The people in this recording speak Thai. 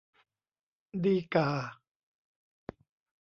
ดีก่า